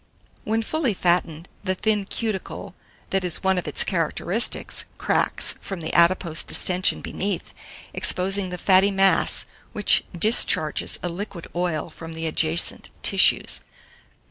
When fully fattened, the thin cuticle, that is one of its characteristics, cracks, from the adipose distension beneath, exposing the fatty mass, which discharges a liquid oil from the adjacent tissues.